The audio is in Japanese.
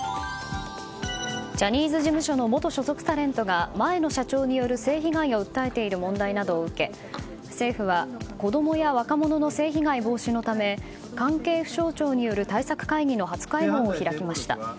ジャニーズ事務所の元所属タレントが前の社長による性被害を訴えている問題などを受け政府は子供や若者の性被害防止のため関係府省庁による対策会議の初会合を開きました。